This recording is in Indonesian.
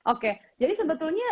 oke jadi sebetulnya